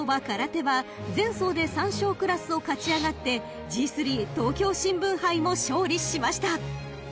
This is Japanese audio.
カラテは前走で３勝クラスを勝ち上がってＧⅢ東京新聞杯も勝利しました］